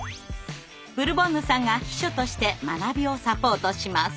ブルボンヌさんが秘書として学びをサポートします。